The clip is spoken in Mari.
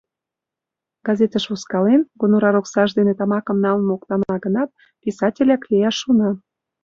Газетыш возкален, гонорар оксаж дене тамакым налын моктана гынат, писателяк лияш шона.